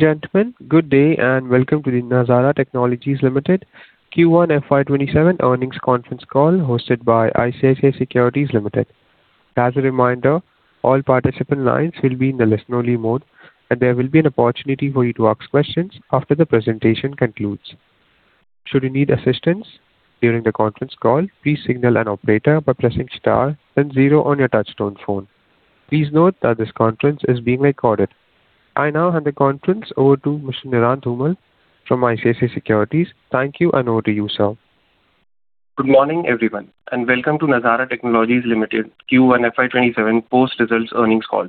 Gentlemen, good day and welcome to the Nazara Technologies Limited Q1 FY27 earnings conference call hosted by ICICI Securities Limited. As a reminder, all participant lines will be in the listen only mode, and there will be an opportunity for you to ask questions after the presentation concludes. Should you need assistance during the conference call, please signal an operator by pressing star then zero on your touchtone phone. Please note that this conference is being recorded. I now hand the conference over to Mr. Nirant Dhumal from ICICI Securities. Thank you, and over to you, sir. Good morning, everyone, and welcome to Nazara Technologies Limited Q1 FY27 post-results earnings call.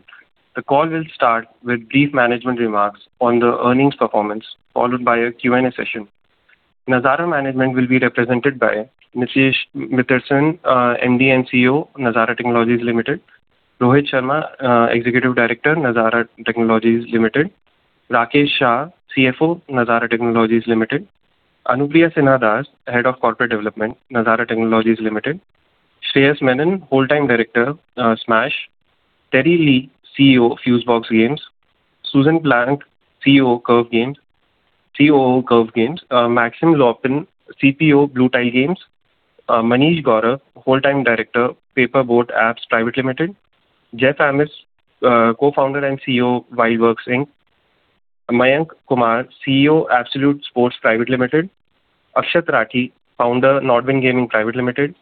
The call will start with brief management remarks on the earnings performance, followed by a Q&A session. Nazara management will be represented by Nitish Mittersain, MD and CEO, Nazara Technologies Limited; Rohit Sharma, Executive Director, Nazara Technologies Limited; Rakesh Shah, CFO, Nazara Technologies Limited; Anupriya Sinha Das, Head of Corporate Development, Nazara Technologies Limited; Shreyes Menon, Wholetime Director, Smaaash; Terry Lee, CEO, Fusebox Games; Susan Planck, COO, Curve Games; Maxime Loppin, CPO, Bluetile Games; Manish Gaurav, Wholetime Director, Paperboat Apps Private Limited; Jeff Ammons, Co-founder and CEO, WildWorks, Inc; Mayank Kumar, CEO, Absolute Sports Private Limited; Akshat Rathee, Founder, Nodwin Gaming Private Limited;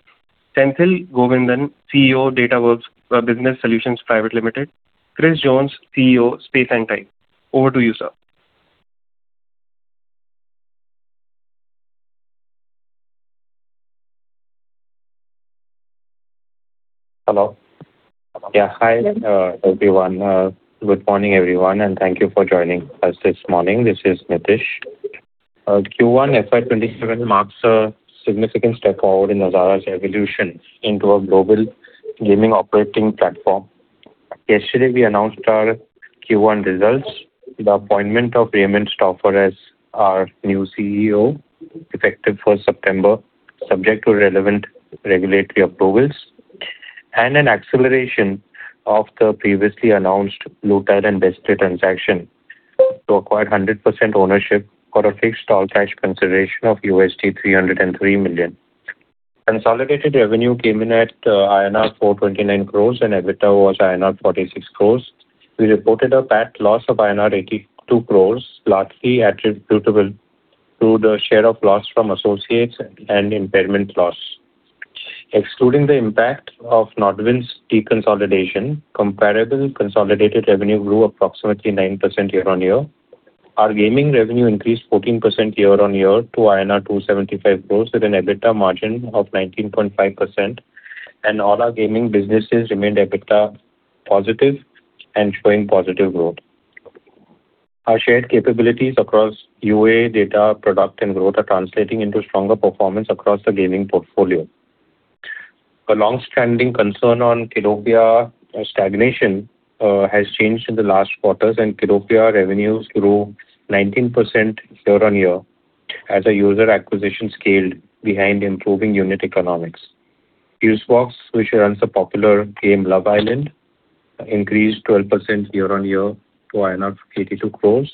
Senthil Govindan, CEO, Datawrkz Business Solutions Private Limited; Chris Jones, CEO, Space & Time. Over to you, sir. Hello. Yeah, hi, everyone. Good morning, everyone, and thank you for joining us this morning. This is Nitish. Q1 FY27 marks a significant step forward in Nazara's evolution into a global gaming operating platform. Yesterday, we announced our Q1 results, the appointment of Raymond Stauffer as our new CEO, effective for September, subject to relevant regulatory approvals, and an acceleration of the previously announced Bluetile and BestPlay transaction to acquire 100% ownership for a fixed all-cash consideration of $303 million. Consolidated revenue came in at INR 429 crores, and EBITDA was INR 46 crores. We reported a PAT loss of INR 82 crores, largely attributable to the share of loss from associates and impairment loss. Excluding the impact of Nodwin's deconsolidation, comparable consolidated revenue grew approximately 9% year-on-year. Our gaming revenue increased 14% year-on-year to INR 275 crores, with an EBITDA margin of 19.5%. All our gaming businesses remained EBITDA positive and showing positive growth. Our shared capabilities across UA, data, product, and growth are translating into stronger performance across the gaming portfolio. The long-standing concern on Kiddopia stagnation has changed in the last quarters. Kiddopia revenues grew 19% year-on-year as our user acquisition scaled behind improving unit economics. Fusebox, which runs the popular game, Love Island, increased 12% year-on-year to INR 82 crores,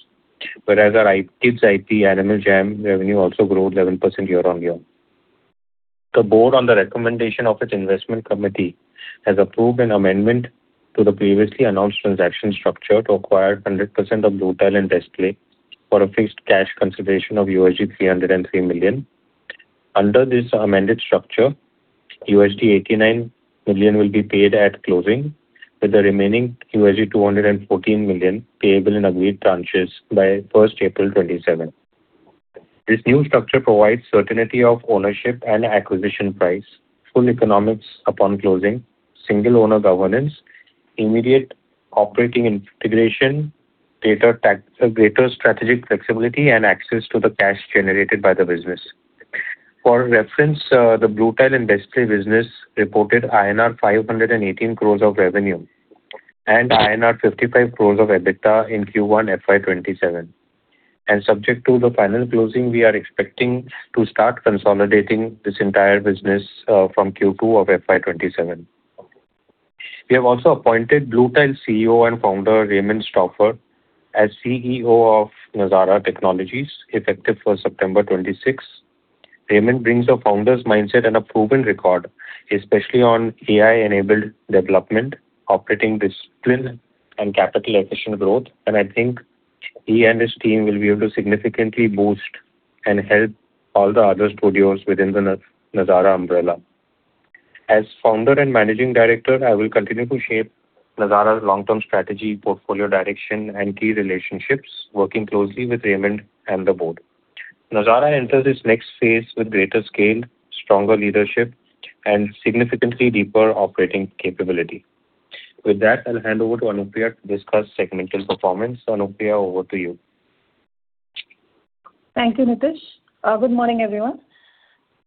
whereas our kids IP, Animal Jam revenue also grew 11% year-on-year. The board, on the recommendation of its investment committee, has approved an amendment to the previously announced transaction structure to acquire 100% of Bluetile and BestPlay for a fixed cash consideration of $303 million. Under this amended structure, $89 million will be paid at closing, with the remaining $214 million payable in agreed tranches by April 1, 2027. This new structure provides certainty of ownership and acquisition price, full economics upon closing, single owner governance, immediate operating integration, greater strategic flexibility, and access to the cash generated by the business. For reference, the Bluetile and BestPlay business reported INR 518 crores of revenue and INR 55 crores of EBITDA in Q1 FY 2027. Subject to the final closing, we are expecting to start consolidating this entire business from Q2 of FY 2027. We have also appointed Bluetile CEO and founder, Raymond Stauffer, as CEO of Nazara Technologies, effective for September 26. Raymond brings a founder's mindset and a proven record, especially on AI-enabled development, operating discipline, and capital-efficient growth. I think he and his team will be able to significantly boost and help all the other studios within the Nazara umbrella. As founder and managing director, I will continue to shape Nazara's long-term strategy, portfolio direction, and key relationships, working closely with Raymond and the board. Nazara enters this next phase with greater scale, stronger leadership, and significantly deeper operating capability. With that, I'll hand over to Anupriya to discuss segmental performance. Anupriya, over to you. Thank you, Nitish. Good morning, everyone.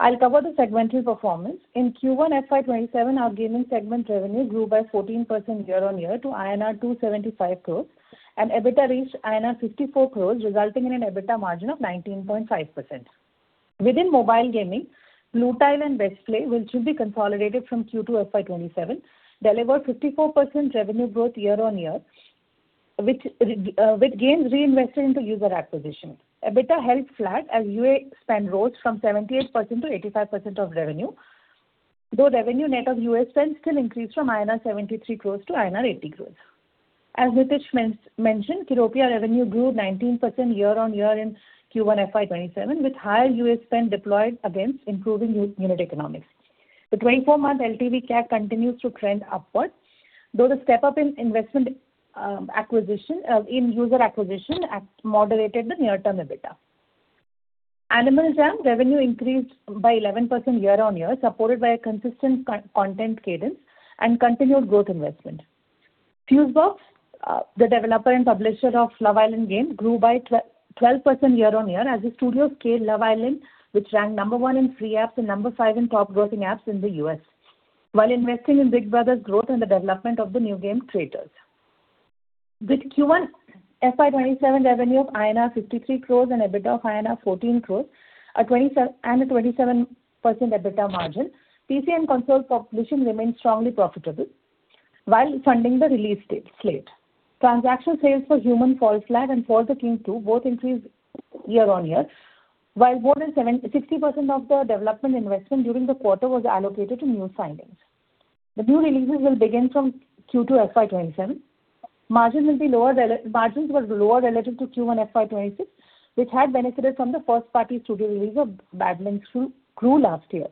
I'll cover the segmental performance. In Q1 FY 2027, our gaming segment revenue grew by 14% year-on-year to INR 275 crores. EBITDA reached INR 54 crores, resulting in an EBITDA margin of 19.5%. Within mobile gaming, Bluetile and BestPlay, which will be consolidated from Q2 FY 2027, delivered 54% revenue growth year-on-year, with gains reinvested into user acquisition. EBITDA held flat as UA spend rose from 78%-85% of revenue, though revenue net of UA spend still increased from INR 73 crores to INR 80 crores. As Nitish mentioned, Kiddopia revenue grew 19% year-on-year in Q1 FY 2027 with higher UA spend deployed against improving unit economics. The 24-month LTV CAC continues to trend upwards, though the step-up in user acquisition moderated the near-term EBITDA. Animal Jam revenue increased by 11% year-on-year, supported by a consistent content cadence and continued growth investment. Fusebox Games, the developer and publisher of Love Island game, grew by 12% year-on-year as the studio scaled Love Island, which ranked number 1 in free apps and number 5 in top-grossing apps in the U.S., while investing in Big Brother's growth and the development of the new game, Traitors. With Q1 FY 2027 revenue of INR 53 crores and EBITDA of INR 14 crores and a 27% EBITDA margin, PC and console population remains strongly profitable while funding the release slate. Transaction sales for Human: Fall Flat and For The King II both increased year-on-year, while more than 60% of the development investment during the quarter was allocated to new signings. The new releases will begin from Q2 FY 2027. Margins were lower relative to Q1 FY 2026, which had benefited from the first-party studio release of Badlands Crew last year.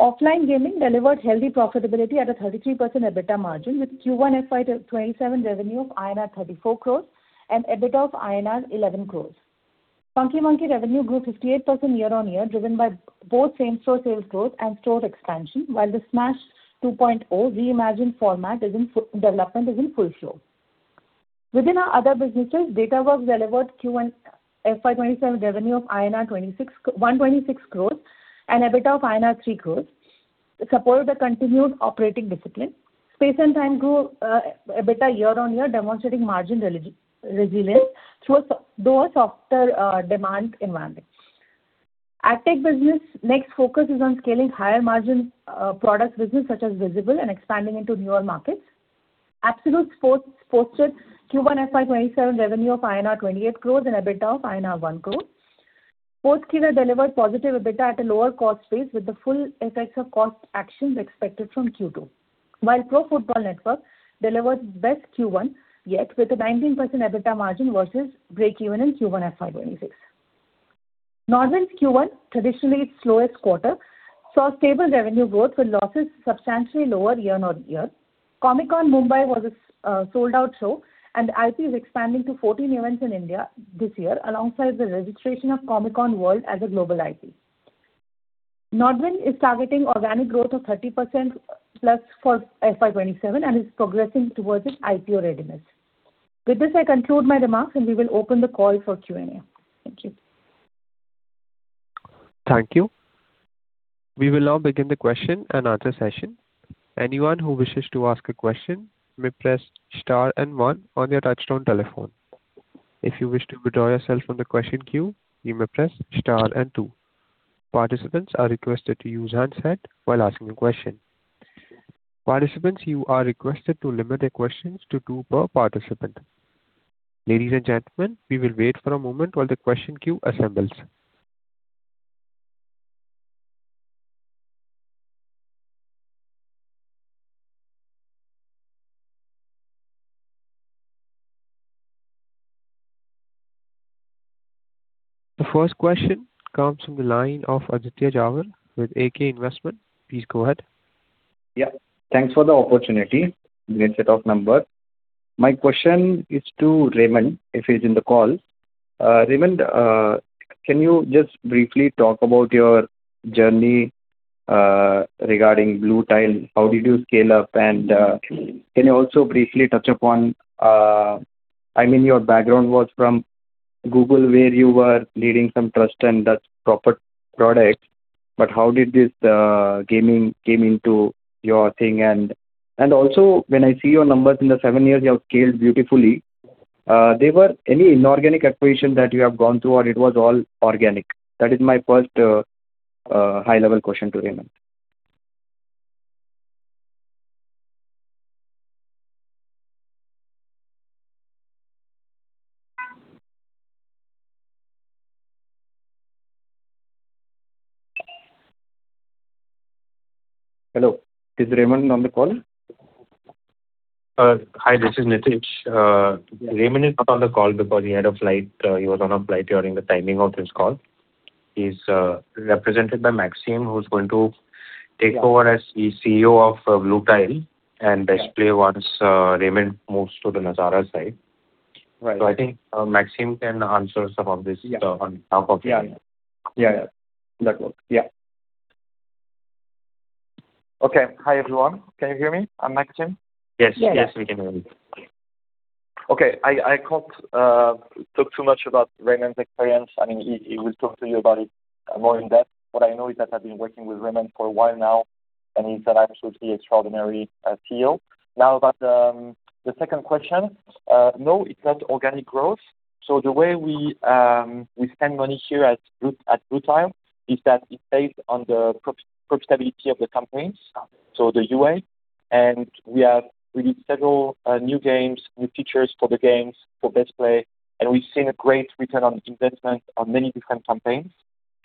Offline gaming delivered healthy profitability at a 33% EBITDA margin, with Q1 FY 2027 revenue of INR 34 crores and EBITDA of INR 11 crores. Funky Monkeys revenue grew 58% year-on-year, driven by both same-store sales growth and store expansion, while the Smaaash 2.0 reimagined format is in full swing. Within our other businesses, Datawrkz delivered Q1 FY 2027 revenue of 126 crores and EBITDA of INR 3 crores, supported the continued operating discipline. Space & Time grew EBITDA year-on-year, demonstrating margin resilience through a softer demand environment. AdTech business' next focus is on scaling higher margin products business such as Visible and expanding into newer markets. Absolute Sports posted Q1 FY 2027 revenue of INR 28 crores and EBITDA of INR 1 crore. Sportskeeda delivered positive EBITDA at a lower cost base with the full effects of cost actions expected from Q2, while Pro Football Network delivered best Q1 yet with a 19% EBITDA margin versus break-even in Q1 FY 2026. Nodwin's Q1, traditionally its slowest quarter, saw stable revenue growth with losses substantially lower year-on-year. Comic Con Mumbai was a sold-out show, and IP is expanding to 14 events in India this year, alongside the registration of Comic Con World as a global IP. Nodwin is targeting organic growth of 30%+ for FY 2027 and is progressing towards its IPO readiness. I conclude my remarks and we will open the call for Q&A. Thank you. Thank you. We will now begin the question-and-answer session. Anyone who wishes to ask a question may press star one on your touch-tone telephone. If you wish to withdraw yourself from the question queue, you may press star two. Participants are requested to use handset while asking a question. Participants, you are requested to limit the questions to two per participant. Ladies and gentlemen, we will wait for a moment while the question queue assembles. The first question comes from the line of Aditya Jhawar with AK Investment. Please go ahead. Thanks for the opportunity. Great set of numbers. My question is to Raymond, if he's in the call. Raymond, can you just briefly talk about your journey regarding Bluetile? How did you scale up? Can you also briefly touch upon. Your background was from Google, where you were leading some trust and safety products, but how did this gaming came into your thing? Also when I see your numbers in the seven years you have scaled beautifully, there were any inorganic acquisition that you have gone through, or it was all organic? That is my first high-level question to Raymond. Hello, is Raymond on the call? Hi, this is Nitish. Raymond is not on the call because he was on a flight during the timing of this call. He's represented by Maxime, who's going to take over as the CEO of Bluetile and BestPlay once Raymond moves to the Nazara side. Right. I think Maxime can answer some of this on top of it. Yeah. That works. Yeah. Okay. Hi, everyone. Can you hear me? I'm Maxime. Yes. We can hear you. Okay. I cannot talk too much about Raymond's experience. He will talk to you about it more in depth. What I know is that I have been working with Raymond for a while now. He is an absolutely extraordinary CEO. Now about the second question. No, it is not organic growth. The way we spend money here at Bluetile is that it is based on the profitability of the campaigns, so the UA. We released several new games, new features for the games, for BestPlay, and we have seen a great return on investment on many different campaigns.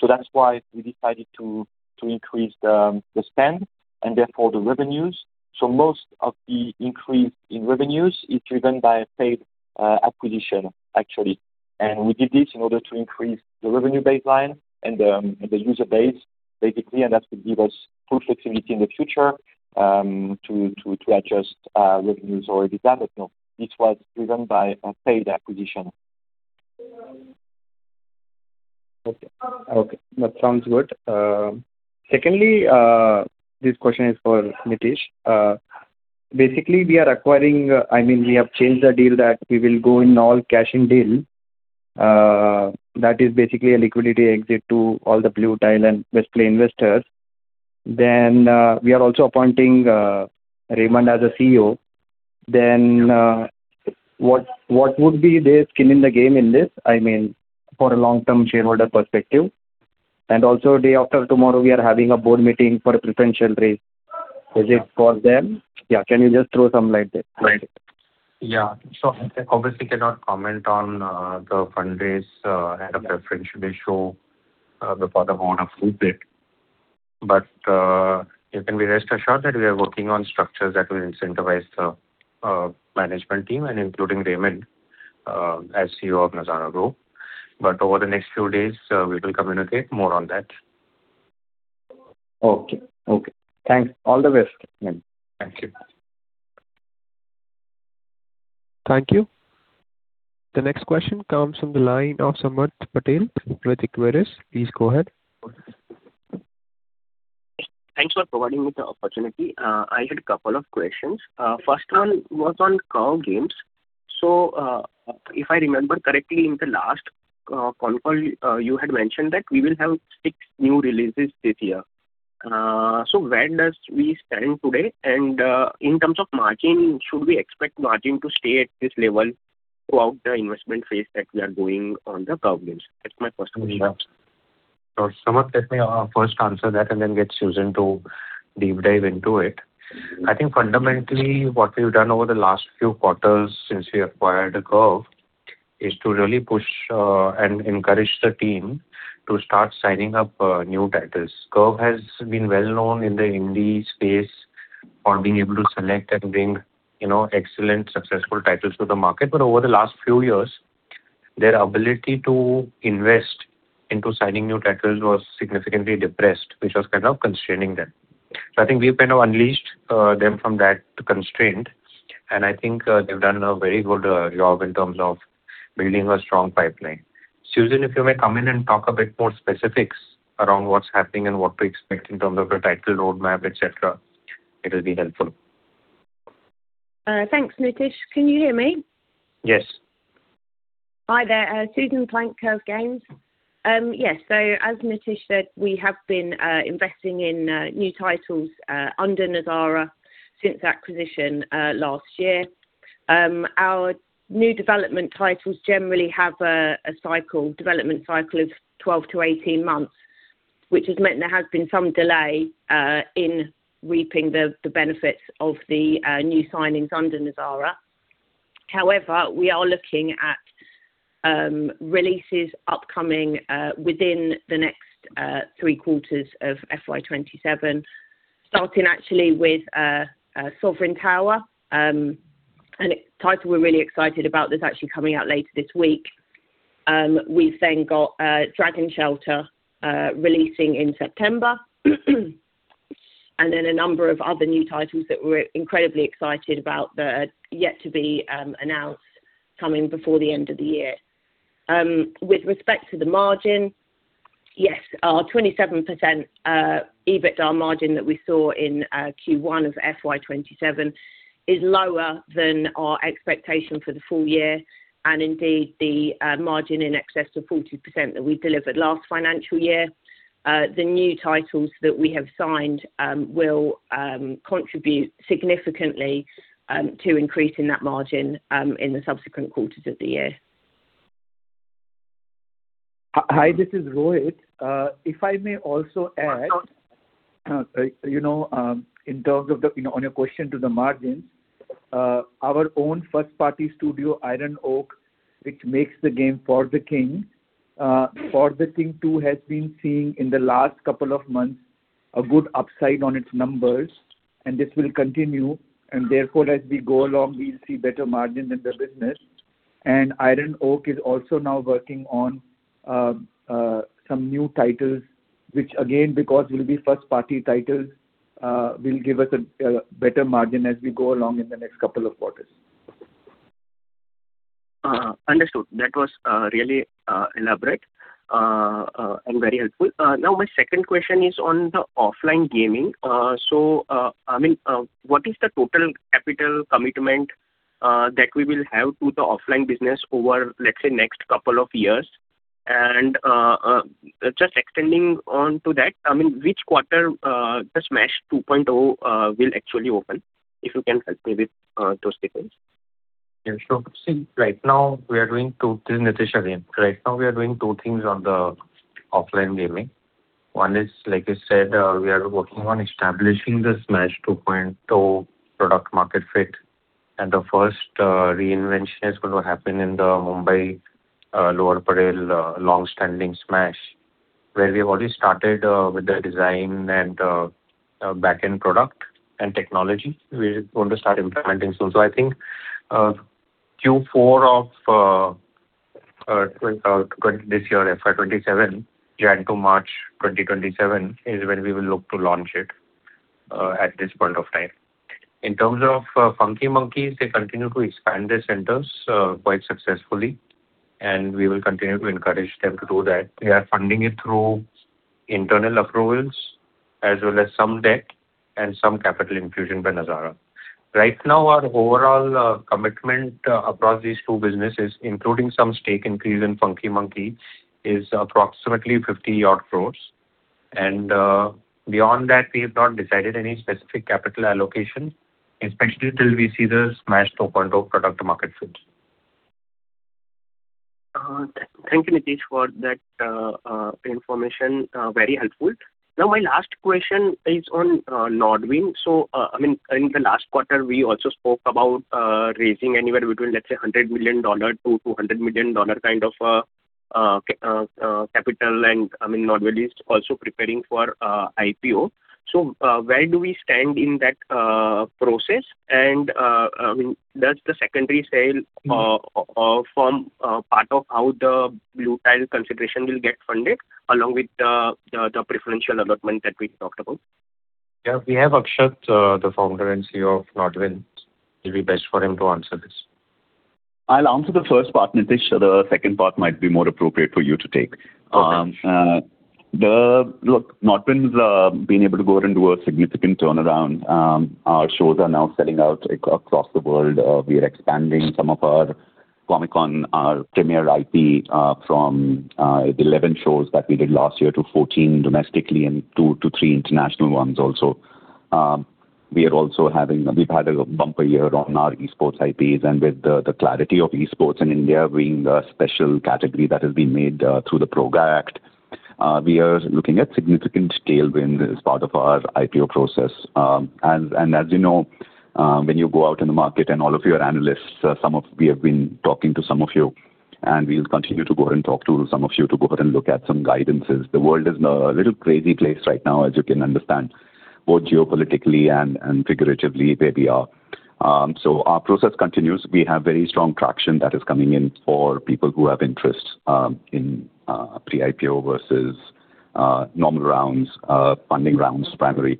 That is why we decided to increase the spend, and therefore the revenues. Most of the increase in revenues is driven by paid acquisition, actually. We did this in order to increase the revenue baseline and the user base, basically. That will give us full flexibility in the future, to adjust revenues or EBITDA. No, this was driven by a paid acquisition. Okay. That sounds good. Secondly, this question is for Nitish. Basically, we are acquiring, I mean, we have changed the deal that we will go in all cash in deal. That is basically a liquidity exit to all the Bluetile and BestPlay investors. We are also appointing Raymond as a CEO. What would be their skin in the game in this, I mean, for a long-term shareholder perspective? Also day after tomorrow, we are having a board meeting for preferential rates. Is it for them? Yeah. Can you just throw some light there? Right. Yeah. I obviously cannot comment on the fundraise and the preferential ratio for the board of Bluetile. You can be rest assured that we are working on structures that will incentivize the management team and including Raymond, as CEO of Nazara Group. Over the next few days, we will communicate more on that. Okay. Thanks. All the best. Thank you. Thank you. The next question comes from the line of Samarth Patel with Equirus. Please go ahead. Thanks for providing me the opportunity. I had a couple of questions. First one was on Curve Games. If I remember correctly in the last call, you had mentioned that we will have six new releases this year. Where do we stand today? In terms of margin, should we expect margin to stay at this level throughout the investment phase that we are doing on the Curve Games? That's my first question. Sure. Samarth, let me first answer that and then get Susan to deep dive into it. I think fundamentally what we've done over the last few quarters since we acquired Curve is to really push, and encourage the team to start signing up new titles. Curve has been well known in the indie space for being able to select and bring excellent successful titles to the market. Over the last few years, their ability to invest into signing new titles was significantly depressed, which was kind of constraining them. I think we've kind of unleashed them from that constraint, and I think they've done a very good job in terms of building a strong pipeline. Susan, if you may come in and talk a bit more specifics around what's happening and what to expect in terms of the title roadmap, et cetera, it'll be helpful. Thanks, Nitish. Can you hear me? Yes. Hi there. Susan Planck, Curve Games. Yes. As Nitish said, we have been investing in new titles under Nazara since acquisition last year. Our new development titles generally have a development cycle of 12 to 18 months, which has meant there has been some delay, in reaping the benefits of the new signings under Nazara. However, we are looking at releases upcoming within the next three quarters of FY 2027, starting actually with Sovereign Tower, and a title we're really excited about that's actually coming out later this week. We've then got Dragon Shelter releasing in September. A number of other new titles that we're incredibly excited about that are yet to be announced, coming before the end of the year. With respect to the margin, yes, our 27% EBITDA margin that we saw in Q1 of FY 2027 is lower than our expectation for the full year and indeed the margin in excess of 40% that we delivered last financial year. The new titles that we have signed will contribute significantly to increasing that margin in the subsequent quarters of the year. Hi, this is Rohit. If I may also add- Of course. In terms of on your question to the margin, our own first-party studio, IronOak Games, which makes the game For The King. For The King II has been seeing in the last couple of months a good upside on its numbers, and this will continue, and therefore, as we go along, we'll see better margin in the business. IronOak Games is also now working on some new titles, which again, because will be first-party titles, will give us a better margin as we go along in the next couple of quarters. Understood. That was really elaborate and very helpful. My second question is on the offline gaming. What is the total capital commitment that we will have to the offline business over, let's say, next couple of years? And just extending on to that, which quarter the Smaaash 2.0 will actually open? If you can help me with those details. Yeah, sure. This is Nitish again. Right now we are doing two things on the offline gaming. One is, like I said, we are working on establishing the Smaaash 2.0 product market fit, and the first reinvention is going to happen in the Mumbai, Lower Parel longstanding Smaaash, where we have already started with the design and back-end product and technology. We are going to start implementing soon. I think Q4 of this year, FY 2027, Jan to March 2027, is when we will look to launch it at this point of time. In terms of Funky Monkeys, they continue to expand their centers quite successfully, and we will continue to encourage them to do that. We are funding it through internal approvals as well as some debt and some capital infusion by Nazara. Right now, our overall commitment across these two businesses, including some stake increase in Funky Monkeys, is approximately 50 odd crore. Beyond that, we have not decided any specific capital allocation, especially till we see the Smaaash 2.0 product to market fit. Thank you, Nitish, for that information. Very helpful. My last question is on Nodwin. In the last quarter, we also spoke about raising anywhere between, let's say, $100 million-$200 million kind of capital, and Nodwin is also preparing for IPO. Where do we stand in that process, and does the secondary sale form part of how the Bluetile consideration will get funded along with the preferential allotment that we talked about? Yeah. We have Akshat, the Founder and CEO of Nodwin. It'll be best for him to answer this. I'll answer the first part, Nitish. The second part might be more appropriate for you to take. Okay. Look, Nodwin's been able to go ahead and do a significant turnaround. Our shows are now selling out across the world. We are expanding some of our Comic-Con, our premier IP, from 11 shows that we did last year to 14 domestically and two to three international ones also. We've had a bumper year on our esports IPs and with the clarity of esports in India being a special category that has been made through the PROG Act. We are looking at significant scale wins as part of our IPO process. As you know, when you go out in the market and all of your analysts, we have been talking to some of you, and we'll continue to go ahead and talk to some of you to go ahead and look at some guidances. The world is in a little crazy place right now, as you can understand, both geopolitically and figuratively where we are. Our process continues. We have very strong traction that is coming in for people who have interest in pre-IPO versus normal rounds, funding rounds, primary.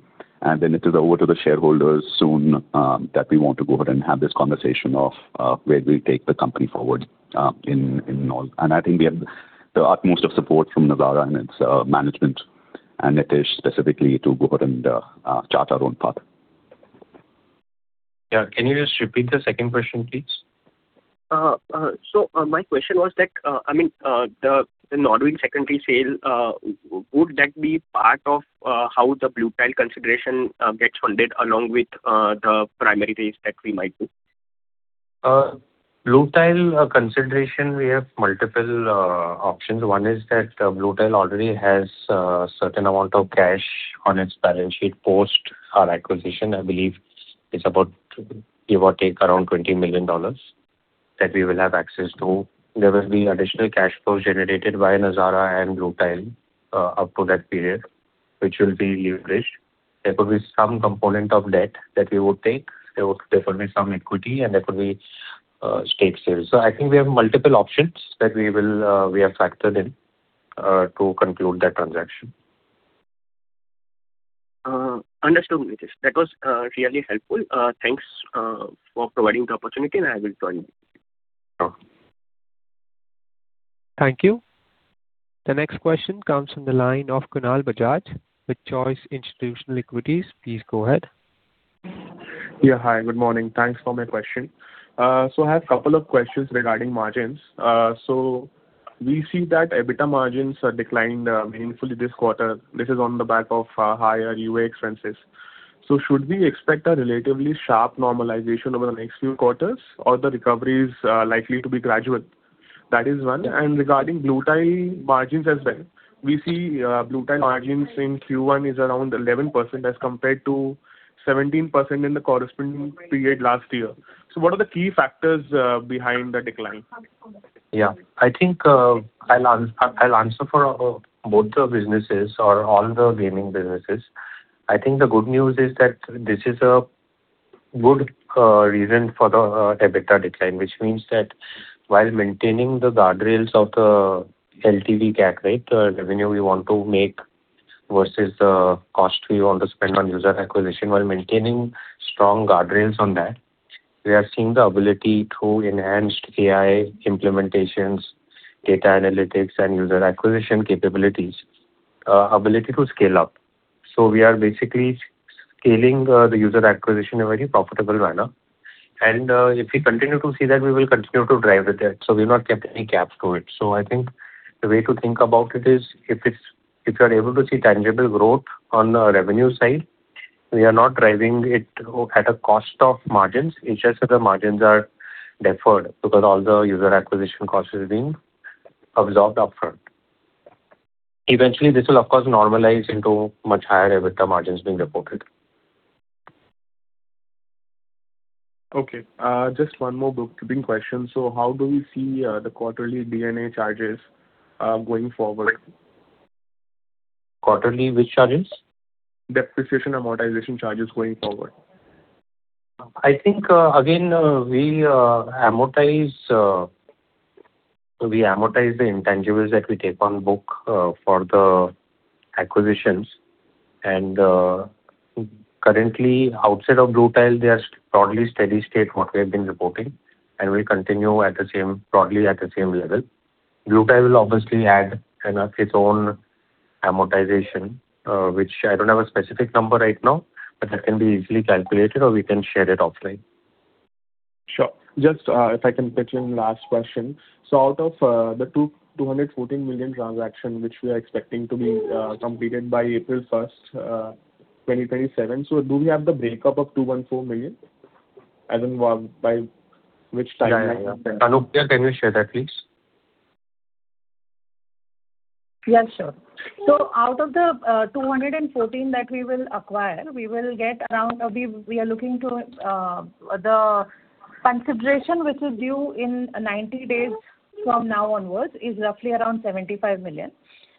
Then it is over to the shareholders soon that we want to go ahead and have this conversation of where do we take the company forward in all. I think we have the utmost of support from Nazara and its management, and Nitish specifically to go ahead and chart our own path. Yeah. Can you just repeat the second question, please? My question was that, the Nodwin secondary sale, would that be part of how the BlueTile consideration gets funded along with the primary raise that we might do? BlueTile consideration, we have multiple options. One is that BlueTile already has a certain amount of cash on its balance sheet post our acquisition. I believe it's about give or take around $20 million that we will have access to. There will be additional cash flow generated by Nazara and BlueTile up to that period, which will be leveraged. There will be some component of debt that we would take. There will be some equity, and there will be stake sales. I think we have multiple options that we have factored in to conclude that transaction. Understood, Nitish. That was really helpful. Thanks for providing the opportunity, and I will join. Sure. Thank you. The next question comes from the line of Kunal Bajaj with Choice Institutional Equities. Please go ahead. Yeah. Hi, good morning. Thanks for my question. I have a couple of questions regarding margins. We see that EBITDA margins declined meaningfully this quarter. This is on the back of higher UA expenses. Should we expect a relatively sharp normalization over the next few quarters, or the recovery is likely to be gradual? That is one. Regarding Bluetile margins as well, we see Bluetile margins in Q1 is around 11% as compared to 17% in the corresponding period last year. What are the key factors behind the decline? Yeah. I think I'll answer for both the businesses or all the gaming businesses. I think the good news is that this is a good reason for the EBITDA decline, which means that while maintaining the guardrails of the LTV CAC rate, the revenue we want to make versus the cost we want to spend on user acquisition, while maintaining strong guardrails on that, we are seeing the ability through enhanced AI implementations, data analytics, and user acquisition capabilities to scale up. We are basically scaling the user acquisition in a very profitable manner. If we continue to see that, we will continue to drive it there. We've not kept any caps to it. I think the way to think about it is, if we are able to see tangible growth on the revenue side, we are not driving it at a cost of margins. It's just that the margins are deferred because all the user acquisition cost is being absorbed upfront. Eventually, this will, of course, normalize into much higher EBITDA margins being reported. Okay. Just one more bookkeeping question. How do we see the quarterly D&A charges going forward? Quarterly which charges? Depreciation amortization charges going forward. I think, again, we amortize the intangibles that we take on book for the acquisitions. Currently, outside of Bluetile, they are broadly steady state what we have been reporting, and we continue broadly at the same level. Bluetile will obviously add its own amortization, which I don't have a specific number right now, but that can be easily calculated, or we can share it offline. Sure. Just if I can pitch in last question. Out of the $214 million transaction, which we are expecting to be completed by April 1, 2027, do we have the breakup of $214 million as in by which time- Anupriya, can you share that, please? Sure. Out of the $214 that we will acquire, we are looking to the consideration which is due in 90 days from now onwards is roughly around $75 million.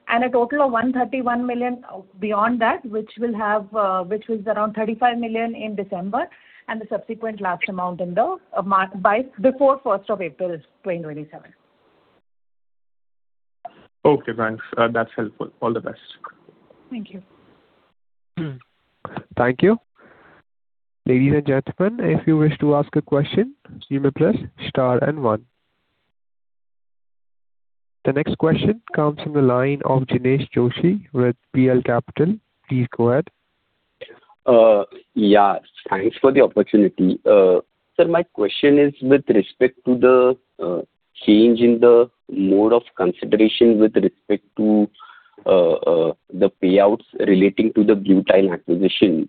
A total of $131 million beyond that, which is around $35 million in December, and the subsequent last amount before April 1, 2027. Okay, thanks. That's helpful. All the best. Thank you. Thank you. Ladies and gentlemen, if you wish to ask a question, you may press star and one. The next question comes from the line of Jinesh Joshi with PL Capital. Please go ahead. Yeah. Thanks for the opportunity. Sir, my question is with respect to the change in the mode of consideration with respect to the payouts relating to the Bluetile acquisition.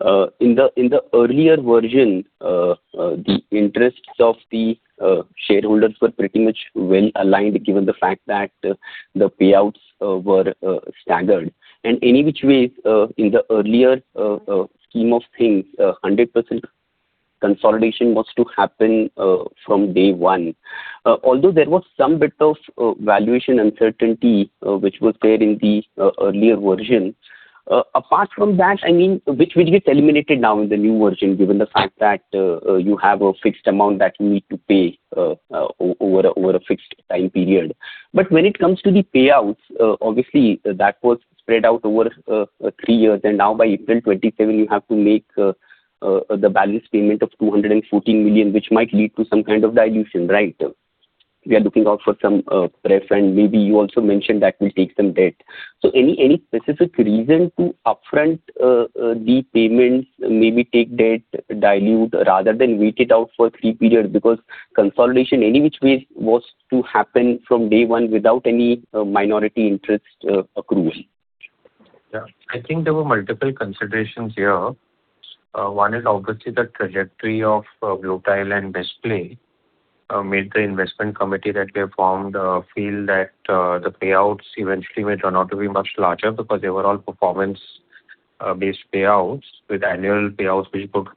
In the earlier version, the interests of the shareholders were pretty much well-aligned given the fact that the payouts were staggered. Any which ways, in the earlier scheme of things, 100% consolidation was to happen from day one. Although there was some bit of valuation uncertainty which was there in the earlier version. Apart from that, which will get eliminated now in the new version, given the fact that you have a fixed amount that you need to pay over a fixed time period. When it comes to the payouts, obviously, that was spread out over three years, and now by April 2027, you have to make the balance payment of $214 million, which might lead to some kind of dilution, right? We are looking out for some pref, and maybe you also mentioned that we take some debt. Any specific reason to upfront the payments, maybe take debt, dilute rather than wait it out for three periods? Because consolidation, any which ways, was to happen from day one without any minority interest accrual. Yeah. I think there were multiple considerations here. One is obviously the trajectory of Bluetile and BestPlay made the investment committee that we have formed feel that the payouts eventually may turn out to be much larger because they were all performance-based payouts with annual payouts which could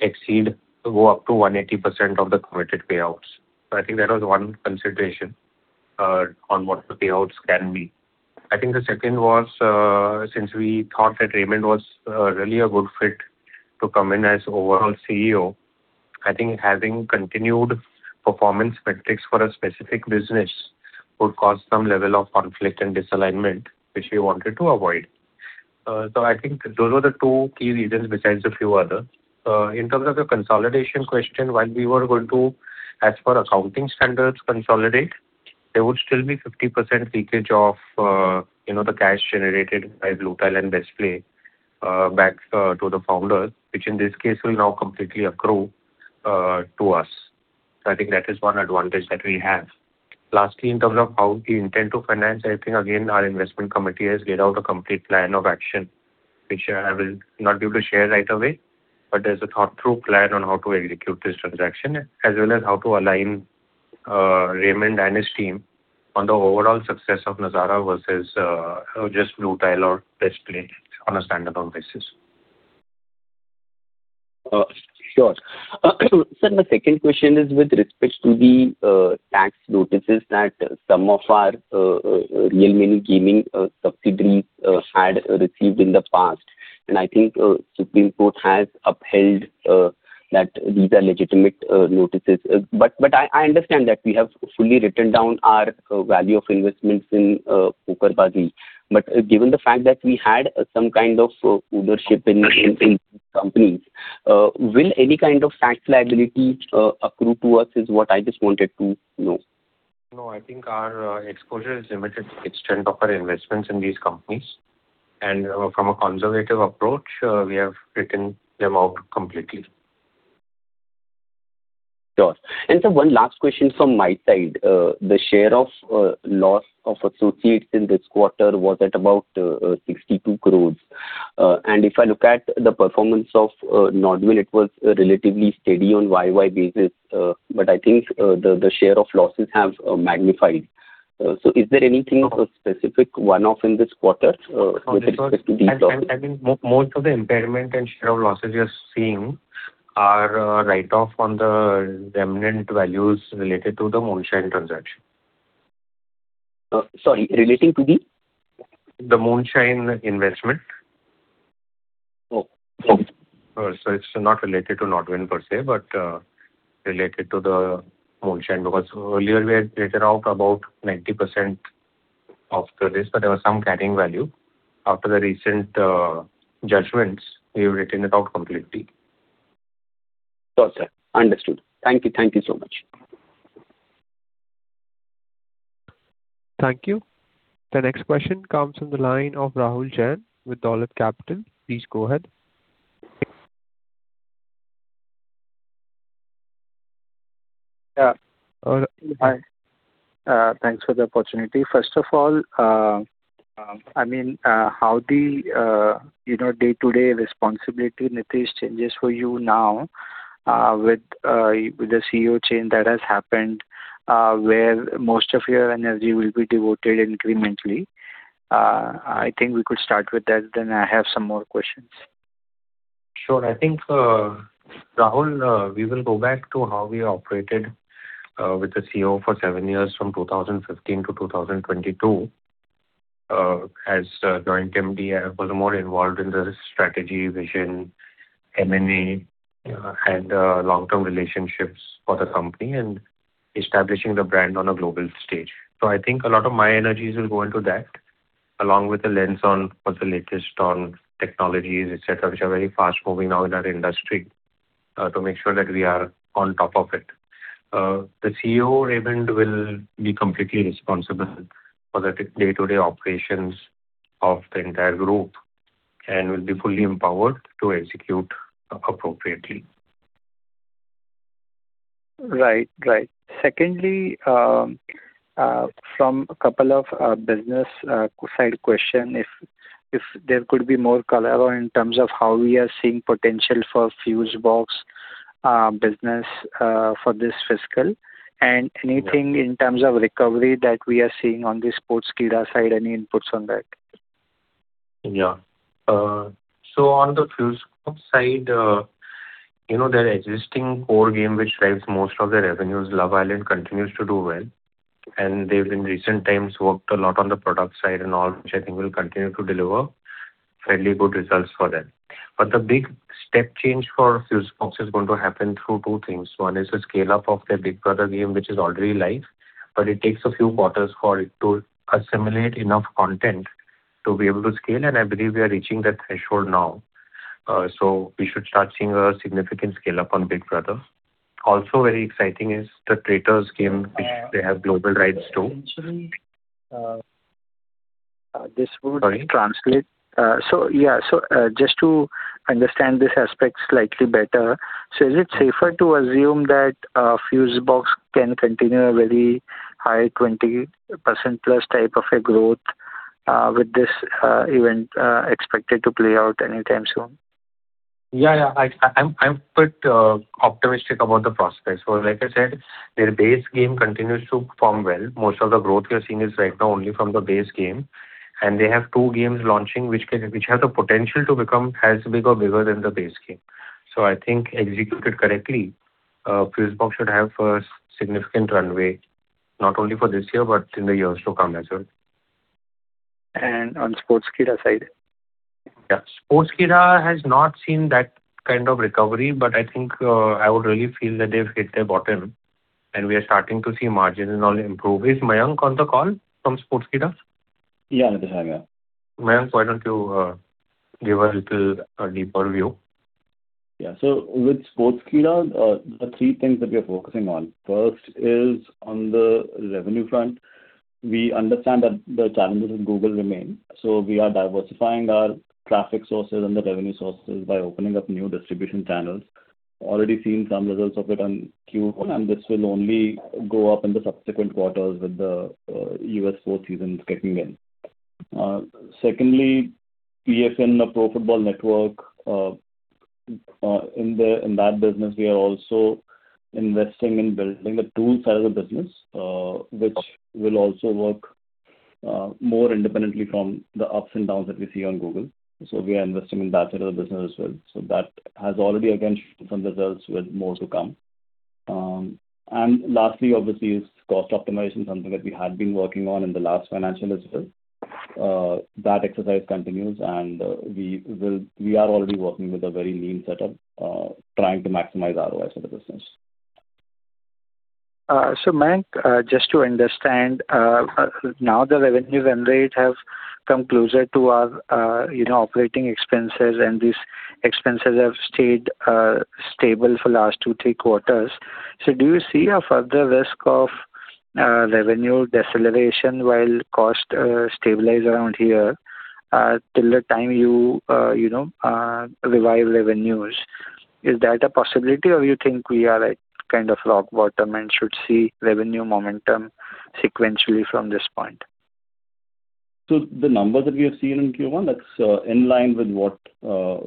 exceed, go up to 180% of the committed payouts. I think that was one consideration on what the payouts can be. I think the second was, since we thought that Raymond was really a good fit to come in as overall CEO, I think having continued performance metrics for a specific business would cause some level of conflict and disalignment, which we wanted to avoid. I think those are the two key reasons besides a few others. In terms of the consolidation question, while we were going to, as per accounting standards, consolidate, there would still be 50% leakage of the cash generated by Bluetile and BestPlay back to the founders, which in this case will now completely accrue to us. I think that is one advantage that we have. Lastly, in terms of how we intend to finance, I think, again, our investment committee has laid out a complete plan of action, which I will not be able to share right away. There's a thought-through plan on how to execute this transaction, as well as how to align Raymond and his team on the overall success of Nazara versus just Bluetile or BestPlay on a standalone basis. Sure. Sir, my second question is with respect to the tax notices that some of our real money gaming subsidiaries had received in the past. I think Supreme Court has upheld that these are legitimate notices. I understand that we have fully written down our value of investments in PokerBaazi. Given the fact that we had some kind of ownership in these companies, will any kind of tax liability accrue to us is what I just wanted to know? No, I think our exposure is limited to the extent of our investments in these companies. From a conservative approach, we have written them out completely. Sure. Sir, one last question from my side. The share of loss of associates in this quarter was at about 62 crores. If I look at the performance of Nodwin, it was relatively steady on year-over-year basis. I think the share of losses have magnified. Is there anything specific one-off in this quarter with respect to these losses? I think most of the impairment and share of losses you're seeing are write-off on the remnant values related to the Moonshine transaction. Sorry, relating to the? The Moonshine investment. Oh, okay. It's not related to Nodwin per se, but related to the Moonshine. Earlier we had written off about 90% of the risk, but there was some carrying value. After the recent judgments, we've written it off completely. Got it. Understood. Thank you so much. Thank you. The next question comes from the line of Rahul Jain with Dolat Capital. Please go ahead. Yeah. Hi. Thanks for the opportunity. First of all, how the day-to-day responsibility, Nitish, changes for you now with the CEO change that has happened where most of your energy will be devoted incrementally? I think we could start with that, then I have some more questions. Sure. I think, Rahul, we will go back to how we operated with the CEO for seven years from 2015 to 2022. As joint MD, I was more involved in the strategy, vision, M&A, and long-term relationships for the company and establishing the brand on a global stage. I think a lot of my energies will go into that, along with the lens on what's the latest on technologies, et cetera, which are very fast-moving now in our industry, to make sure that we are on top of it. The CEO, Hemant], will be completely responsible for the day-to-day operations of the entire group and will be fully empowered to execute appropriately. Right. Secondly, from a couple of business side question, if there could be more color in terms of how we are seeing potential for Fusebox business for this fiscal, and anything in terms of recovery that we are seeing on the Sportskeeda side, any inputs on that? Yeah. On the Fusebox side, their existing core game, which drives most of the revenues, Love Island, continues to do well. They've in recent times worked a lot on the product side and all, which I think will continue to deliver fairly good results for them. The big step change for Fusebox is going to happen through two things. One is the scale-up of their Big Brother game, which is already live, but it takes a few quarters for it to assimilate enough content to be able to scale, and I believe we are reaching that threshold now. We should start seeing a significant scale-up on Big Brother. Also very exciting is The Traitors game, which they have global rights to. Essentially, just to understand this aspect slightly better, is it safer to assume that Fusebox can continue a very high 20%+ type of a growth with this event expected to play out anytime soon? Yeah. I'm quite optimistic about the prospects. Like I said, their base game continues to perform well. Most of the growth we are seeing is right now only from the base game, and they have two games launching, which have the potential to become as big or bigger than the base game. I think executed correctly, Fusebox should have a significant runway, not only for this year, but in the years to come as well. On Sportskeeda side? Yeah. Sportskeeda has not seen that kind of recovery, but I think I would really feel that they've hit their bottom and we are starting to see margin and all improve. Is Mayank on the call from Sportskeeda? Yeah. Mayank, why don't you give a little deeper view? Yeah. With Sportskeeda, there are three things that we are focusing on. First is on the revenue front. We understand that the challenges with Google remain. We are diversifying our traffic sources and the revenue sources by opening up new distribution channels. Already seen some results of it on Q1, and this will only go up in the subsequent quarters with the U.S. four seasons kicking in. Secondly, we have seen a Pro Football Network. In that business, we are also investing in building the tool side of the business, which will also work more independently from the ups and downs that we see on Google. We are investing in that side of the business as well. That has already again shown some results with more to come. Lastly, obviously, is cost optimization, something that we had been working on in the last financial as well. That exercise continues, and we are already working with a very lean setup, trying to maximize ROIs for the business. Mayank, just to understand, now the revenue run rate have come closer to our operating expenses, and these expenses have stayed stable for last two, three quarters. Do you see a further risk of revenue deceleration while cost stabilize around here, till the time you revive revenues? Is that a possibility, or you think we are at kind of rock bottom and should see revenue momentum sequentially from this point? The numbers that we have seen in Q1, that is in line with what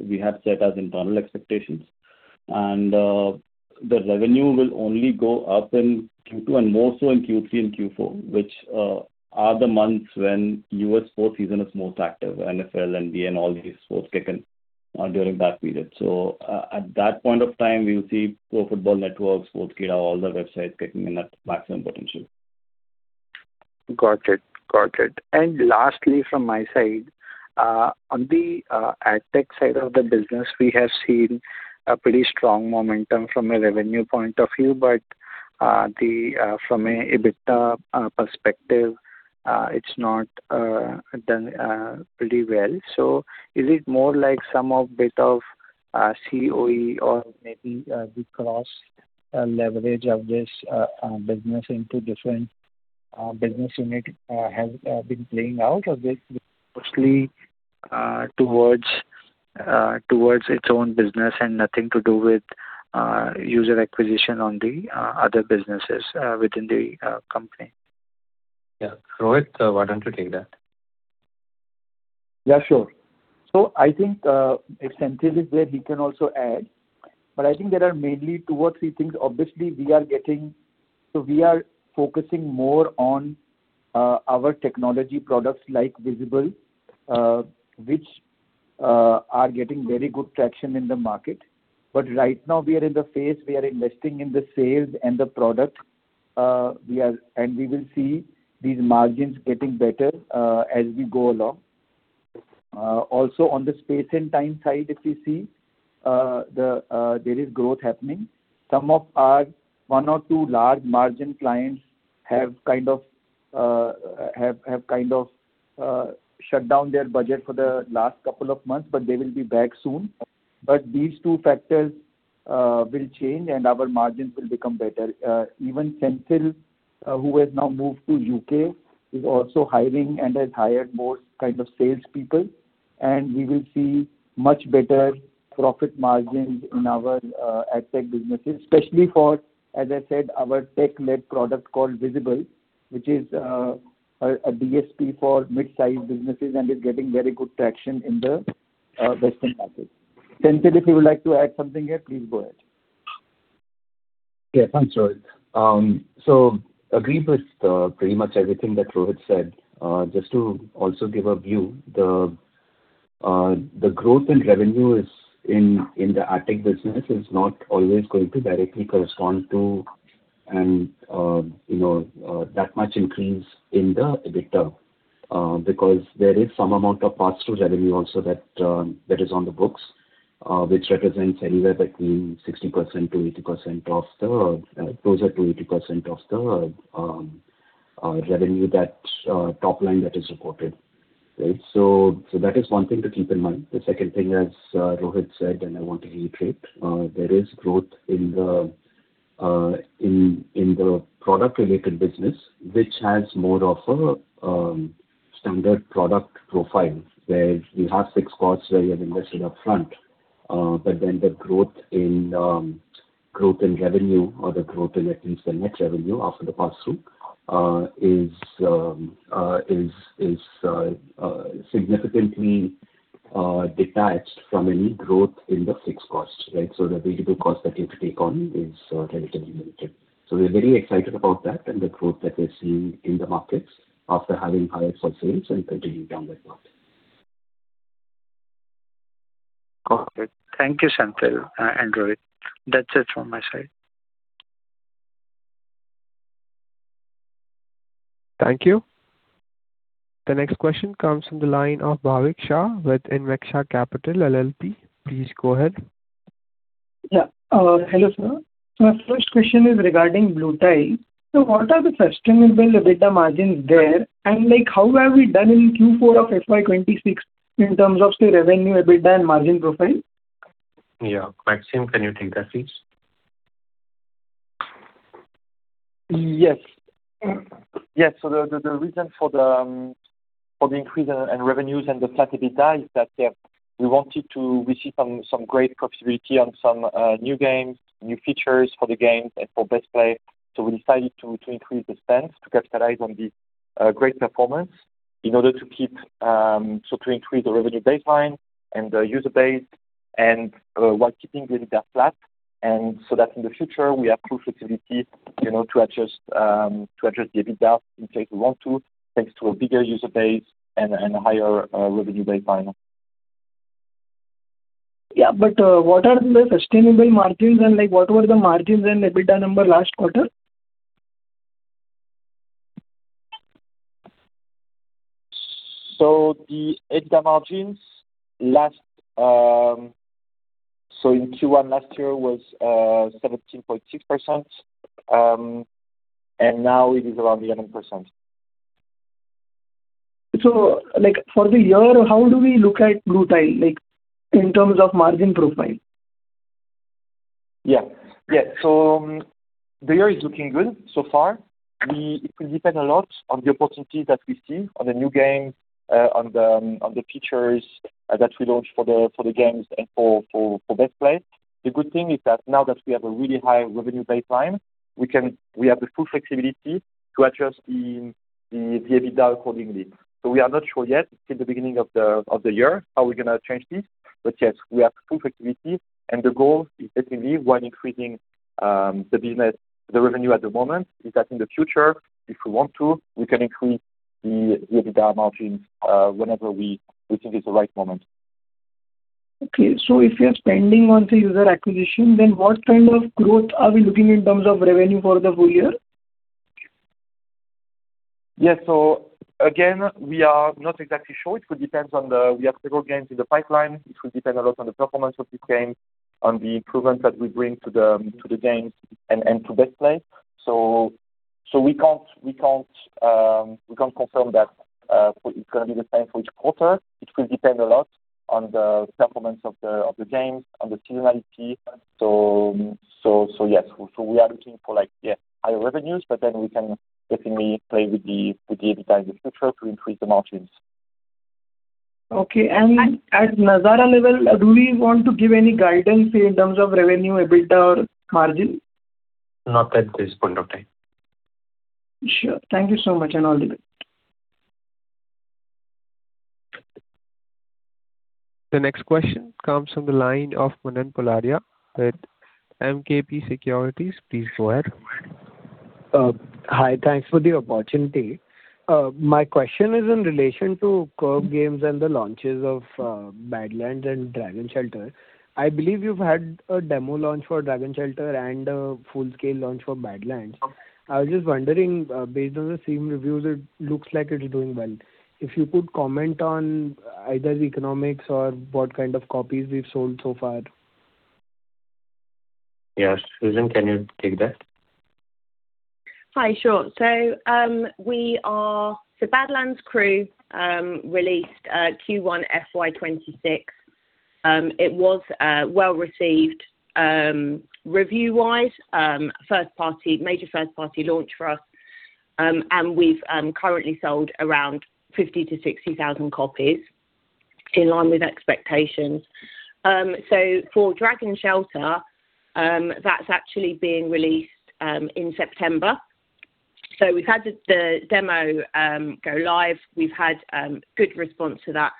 we had set as internal expectations. The revenue will only go up in Q2 and more so in Q3 and Q4, which are the months when U.S. sports season is most active, NFL, NBA, and all these sports kick in during that period. At that point of time, we will see Pro Football Network, Sportskeeda, all the websites kicking in at maximum potential. Got it. Lastly, from my side, on the AdTech side of the business, we have seen a pretty strong momentum from a revenue point of view, but from an EBITDA perspective, it is not done pretty well. Is it more like some of bit of COE or maybe the cross leverage of this business into different business unit has been playing out, or this is mostly towards its own business and nothing to do with user acquisition on the other businesses within the company? Rohit, why don't you take that? Sure. I think if Senthil is there, he can also add. I think there are mainly two or three things. Obviously, we are focusing more on our technology products like Visible, which are getting very good traction in the market. Right now we are in the phase, we are investing in the sales and the product. We will see these margins getting better, as we go along. Also on the Space & Time side, if you see, there is growth happening. Some of our one or two large margin clients have shut down their budget for the last couple of months, but they will be back soon. These two factors will change, and our margins will become better. Even Senthil, who has now moved to U.K., is also hiring and has hired more salespeople. We will see much better profit margins in our AdTech businesses, especially for, as I said, our tech-led product called Visible, which is a DSP for mid-size businesses and is getting very good traction in the Western market. Senthil, if you would like to add something here, please go ahead. Yeah. Thanks, Rohit. I agree with pretty much everything that Rohit said. Just to also give a view, the growth in revenue in the AdTech business is not always going to directly correspond to that much increase in the EBITDA, because there is some amount of pass-through revenue also that is on the books, which represents anywhere between 60%-80%, closer to 80% of the revenue, that top line that is reported. Right? That is one thing to keep in mind. The second thing, as Rohit said, and I want to reiterate, there is growth in the product-related business, which has more of a standard product profile, where we have six quotes where you have invested upfront. The growth in revenue or the growth in at least the net revenue after the pass-through, is significantly detached from any growth in the fixed cost. Right? The variable cost that you have to take on is relatively limited. We're very excited about that and the growth that we're seeing in the markets after having hired for sales and continuing down that path. Got it. Thank you, Senthil and Rohit. That's it from my side. Thank you. The next question comes from the line of Bhavik Shah with Invexa Capital LLP. Please go ahead. Hello, sir. My first question is regarding Bluetile. What are the sustainable EBITDA margins there? How have we done in Q4 of FY 2026 in terms of the revenue, EBITDA, and margin profile? Maxime, can you take that, please? Yes. The reason for the increase in revenues and the flat EBITDA is that we see some great profitability on some new games, new features for the games and for BestPlay. We decided to increase the spends to capitalize on the great performance in order to increase the revenue baseline and the user base, and while keeping the EBITDA flat. That in the future we have true flexibility to adjust the EBITDA in case we want to, thanks to a bigger user base and a higher revenue baseline. What are the sustainable margins and what were the margins and EBITDA number last quarter? The EBITDA margins in Q1 last year was 17.6%, now it is around 11%. For the year, how do we look at Bluetile in terms of margin profile? The year is looking good so far. It will depend a lot on the opportunities that we see on the new games, on the features that we launch for the games and for BestPlay. The good thing is that now that we have a really high revenue baseline, we have the full flexibility to adjust the EBITDA accordingly. We are not sure yet, it's still the beginning of the year, how we're going to change this, but yes, we have full flexibility and the goal is definitely while increasing the revenue at the moment, is that in the future, if we want to, we can increase the EBITDA margins whenever we think it's the right moment. Okay. If you're spending on the user acquisition, what kind of growth are we looking in terms of revenue for the full year? Yes. Again, we are not exactly sure. We have several games in the pipeline. It will depend a lot on the performance of these games, on the improvements that we bring to the games and to BestPlay. We can't confirm that it's going to be the same for each quarter. It will depend a lot on the performance of the games, on the seasonality. Yes, we are looking for higher revenues, but we can definitely play with the EBITDA in the future to increase the margins. Okay. At Nazara level, do we want to give any guidance in terms of revenue, EBITDA, or margin? Not at this point of time. Sure. Thank you so much, and have a good day. The next question comes from the line of Manan Poladia with MKP Securities. Please go ahead. Hi. Thanks for the opportunity. My question is in relation to Curve Games and the launches of Badlands and Dragon Shelter. I believe you've had a demo launch for Dragon Shelter and a full-scale launch for Badlands. I was just wondering, based on the Steam reviews, it looks like it's doing well. If you could comment on either the economics or what kind of copies we've sold so far. Yes. Susan, can you take that? Hi, sure. Badlands Crew released Q1 FY 2026. It was well-received review-wise. Major first-party launch for us, we've currently sold around 50,000-60,000 copies, in line with expectations. For Dragon Shelter, that's actually being released in September. We've had the demo go live. We've had good response to that.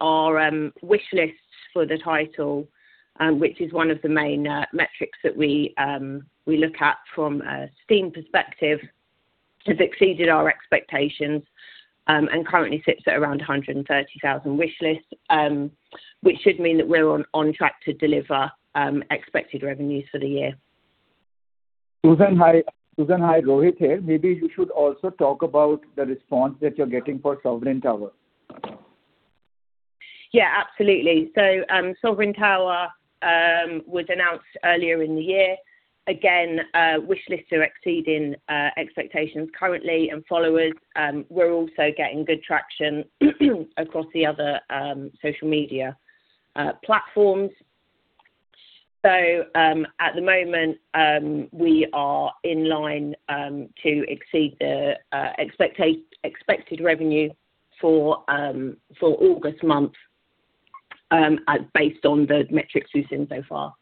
Our wishlists for the title, which is one of the main metrics that we look at from a Steam perspective, has exceeded our expectations, and currently sits at around 130,000 wishlists, which should mean that we're on track to deliver expected revenues for the year. Susan, hi. Rohit here. Maybe you should also talk about the response that you're getting for Sovereign Tower. Yeah, absolutely. Sovereign Tower was announced earlier in the year. Again, wishlists are exceeding expectations currently, followers. We're also getting good traction across the other social media platforms. At the moment, we are in line to exceed the expected revenue for August month based on the metrics we've seen so far.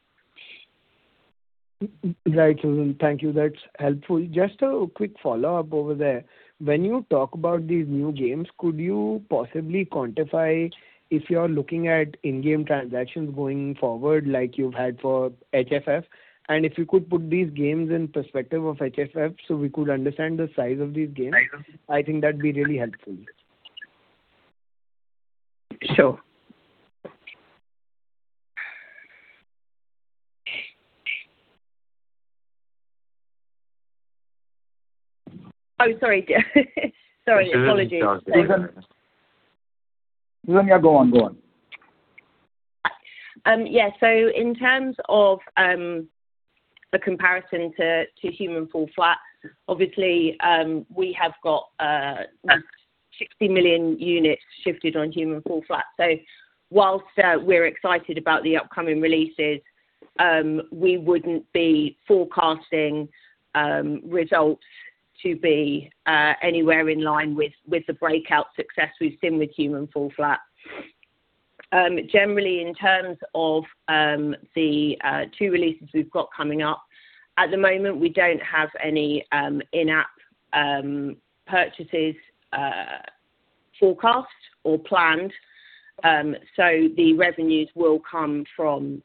Right, Susan. Thank you. That's helpful. Just a quick follow-up over there. When you talk about these new games, could you possibly quantify if you're looking at in-game transactions going forward like you've had for HFF? If you could put these games in perspective of HFF so we could understand the size of these games- Right I think that'd be really helpful. Sure. Sorry, apologies. Susan, yeah, go on. Yeah. In terms of the comparison to Human Fall Flat, obviously, we have got 60 million units shifted on Human Fall Flat. While we're excited about the upcoming releases, we wouldn't be forecasting results to be anywhere in line with the breakout success we've seen with Human: Fall Flat. Generally, in terms of the two releases we've got coming up, at the moment, we don't have any in-app purchases forecast or planned. The revenues will come from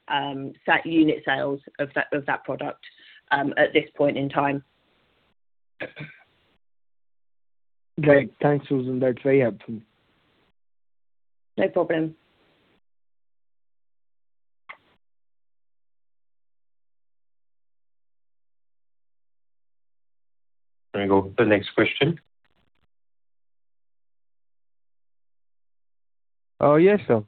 unit sales of that product at this point in time. Great. Thanks, Susan. That's very helpful. No problem. Can we go to the next question? Yes, sir.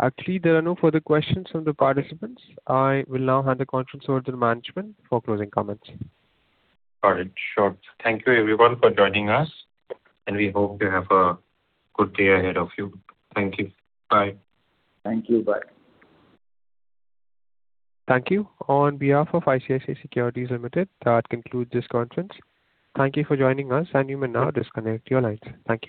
Actually, there are no further questions from the participants. I will now hand the conference over to management for closing comments. All right. Sure. Thank you everyone for joining us. We hope you have a good day ahead of you. Thank you. Bye. Thank you. Bye. Thank you. On behalf of ICICI Securities Limited, that concludes this conference. Thank you for joining us. You may now disconnect your lines. Thank you.